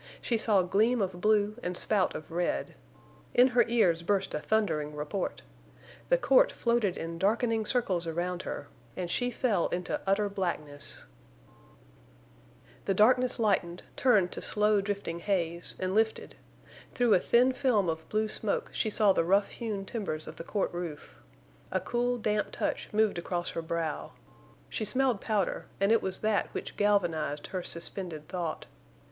She saw gleam of blue and spout of red. In her ears burst a thundering report. The court floated in darkening circles around her, and she fell into utter blackness. [Illustration: It was Jane's gaze riveted upon the rider that made Bishop Dyer turn.] The darkness lightened, turned to slow drifting haze, and lifted. Through a thin film of blue smoke she saw the rough hewn timbers of the court roof. A cool, damp touch moved across her brow. She smelled powder, and it was that which galvanized her suspended thought.